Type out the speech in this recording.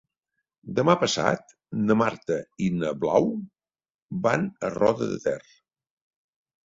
Demà passat na Marta i na Blau van a Roda de Ter.